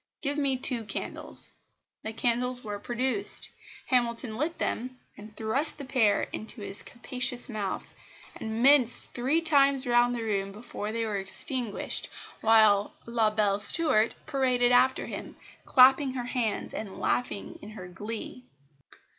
"Give me two candles." The candles were produced. Hamilton lit them, and thrust the pair into his capacious mouth, and minced three times round the room before they were extinguished, while La belle Stuart paraded after him, clapping her hands and laughing in her glee.